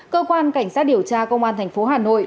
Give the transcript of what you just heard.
cơ quan cảnh sát điều tra công an thành phố hà nội